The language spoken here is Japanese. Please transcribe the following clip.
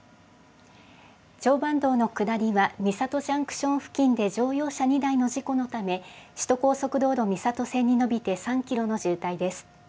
常磐道の下りは、三郷ジャンクション付近で乗用車２台の事故のため、首都高速道路三郷線に延びて３キロの渋滞です。